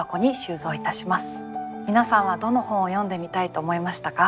皆さんはどの本を読んでみたいと思いましたか？